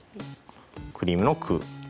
クリームの「ク」。